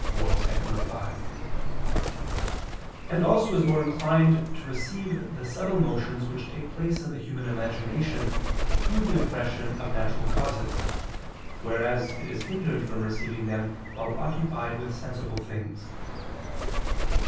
4, ad 2], and also is more inclined to receive the subtle motions which take place in the human imagination through the impression of natural causes, whereas it is hindered from receiving them while occupied with sensible things.